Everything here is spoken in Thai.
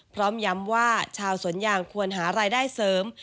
พร้อมย้ำว่าชาวสวนยางควรหารายได้เสริม